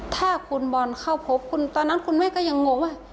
ถ้าคุณบอลเข้าพบคุณตอนนั้นคุณแม่ก็ยังงงว่า